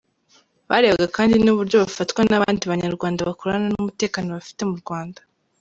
Barebaga kandi n’uburyo bafatwa n’abandi Banyarwanda bakorana n’umutekano bafite mu Rwanda.